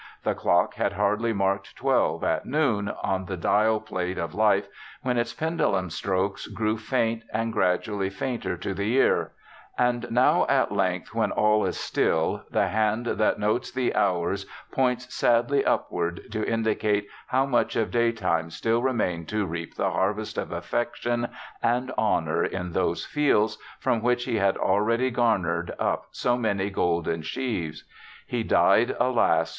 The clock had hardly marked twelve at noon, on the dial plate of life, when its pendulum strokes grew faint and gradually' fainter to the ear; and now, at length, when all is still, the hand that notes the hours points sadly upward, to indicate how much of daytime still remained to reap the harvest of affection and honour, in those fields from which he had already garnered up so many golden sheaves. He died, alas!